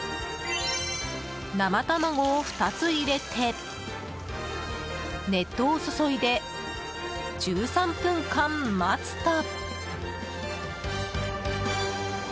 生卵を２つ入れて熱湯を注いで１３分間待つと。